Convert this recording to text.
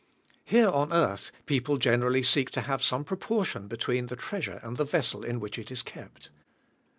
Here on earth people g enerally seek to have some proportion between the treasure and the vessel in which it is kept.